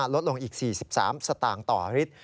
ลดลงอีก๔๓สตางค์ต่อลิตร